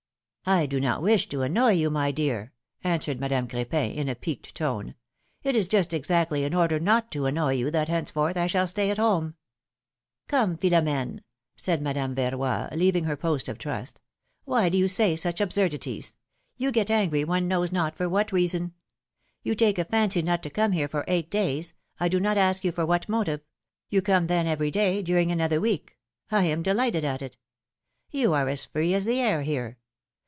do not wish to annoy you, my dear," answered Madame Cr6pin, in a piqued tone; ^^it is just exactly in order not to annoy you that henceforth I shall stay at home." Come, Philom^ne," said Madame Verroy, leaving her 132 philo:!h^:ne's marriages. post of trust, why do you say such absurdities ? You get angry, one knows not for what reason. You take a fancy not to come here for eight days, I do not ask you for what motive; you come then, every day, during another week; I am delighted at it. You are as free as the air here.